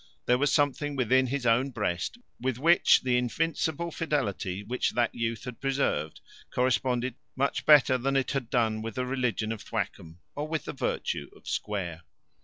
There was something within his own breast with which the invincible fidelity which that youth had preserved, corresponded much better than it had done with the religion of Thwackum, or with the virtue of Square.